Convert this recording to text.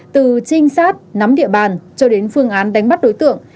từ trinh sát nắm địa bàn cho đến phương án đánh bắt đối tượng